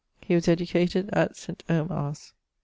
He was educated at St. Omar's.